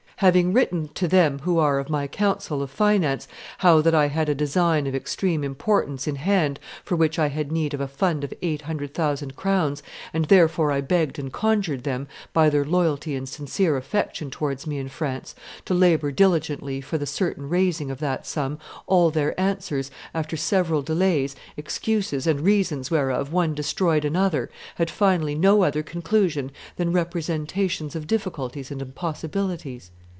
... Having written to them who are of my council of finance how that I had a design of extreme importance in hand for which I had need of a fund of eight hundred thousand crowns, and therefore I begged and conjured them, by their loyalty and sincere affection towards me and France, to labor diligently for the certain raising of that sum, all their answers, after several delays, excuses, and reasons whereof one destroyed another, had finally no other conclusion than representations of difficulties and impossibilities.